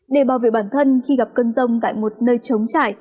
để bảo vệ bản thân khi gặp cơn rông tại một nơi chống trải